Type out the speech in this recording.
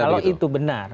kalau itu benar